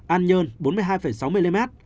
an nhơn bốn mươi hai sáu mm